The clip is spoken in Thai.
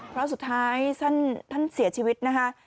เพราะสุดท้ายท่านเสียชีวิตนะคะ